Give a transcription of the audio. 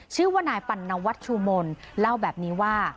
ชื่อว่านายปัณวัชชูมนต์เล่าแบบนี้ว่า